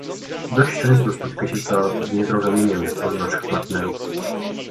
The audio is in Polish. Dość często spotyka się to z niezrozumieniem ze strony naszych partnerów